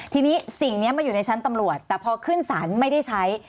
ทีนี้สิ่งนี้มันอยู่ในชั้นตำรวจแต่พอขึ้นศาลไม่ได้ใช้